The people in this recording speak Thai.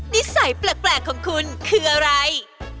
นิสัยแปลกของคุณคืออะไร